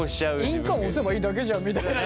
印鑑押せばいいだけじゃんみたいな。